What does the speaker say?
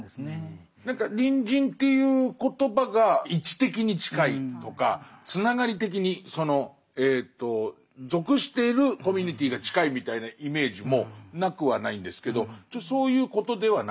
何か隣人っていう言葉が位置的に近いとかつながり的にその属しているコミュニティーが近いみたいなイメージもなくはないんですけどちょっとそういうことではないですね。